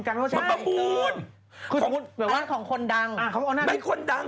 มันเป็นของคนดัง